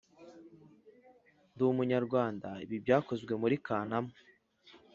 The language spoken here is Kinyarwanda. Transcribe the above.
Ndi umunyarwanda ibi byakozwe muri kanama